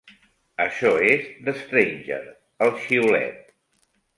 Això és 'The Stranger', el xiulet.